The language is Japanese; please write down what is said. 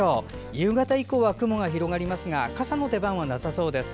夕方以降は雲が広がりますが傘の出番はなさそうです。